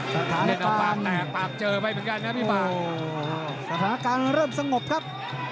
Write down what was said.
สถานการณ์เริ่มสงบครับ